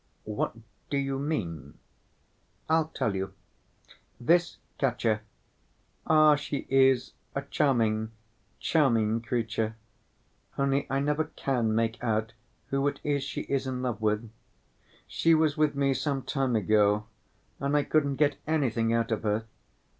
"What do you mean?" "I'll tell you. This Katya ... Ah! she is a charming, charming creature, only I never can make out who it is she is in love with. She was with me some time ago and I couldn't get anything out of her.